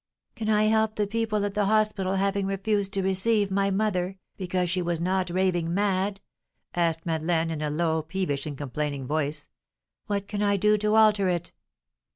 "Can I help the people at the hospital having refused to receive my mother, because she was not raving mad?" asked Madeleine, in a low, peevish, and complaining voice. "What can I do to alter it?